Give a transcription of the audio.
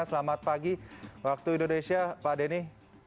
selamat pagi waktu indonesia pak denny